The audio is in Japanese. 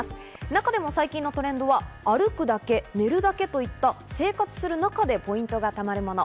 中でも最近のトレンドは歩くだけ、寝るだけといった生活する中でポイントが貯まるもの。